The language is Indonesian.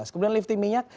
kemudian lifting minyak